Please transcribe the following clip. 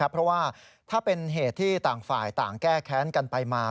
เพราะว่าถ้าเป็นเหตุที่ต่างฝ่ายต่างแก้แค้นกันไปมา